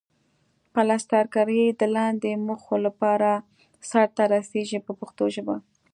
پلسترکاري د لاندې موخو لپاره سرته رسیږي په پښتو ژبه.